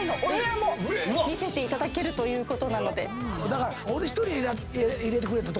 見せていただけるということなので。